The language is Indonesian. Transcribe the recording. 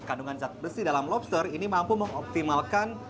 kandungan zat besi dalam lobster ini mampu mengoptimalkan